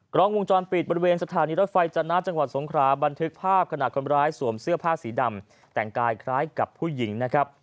กล้องวงจรปิดบริเวณสถานีรถไฟจนะจังหวัดสงคราบันทึกภาพขณะคนร้ายสวมเสื้อผ้าสีดำแต่งกายคล้ายกับผู้หญิงนะครับ